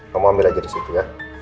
kamu ambil aja di situ ya